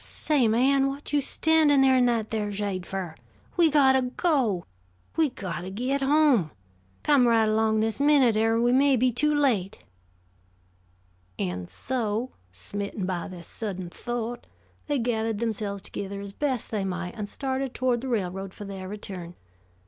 Say, man, whut you standin' there in that there shade fer? We got to go! We got to git home! Come right along this minute, er we may be too late." And so, smitten by this sudden thought, they gathered themselves together as best they might and started toward the railroad for their return.